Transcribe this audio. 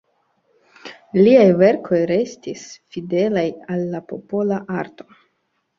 Liaj verkoj restis fidelaj la la popola arto.